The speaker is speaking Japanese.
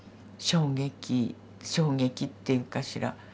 衝撃衝撃っていうかしら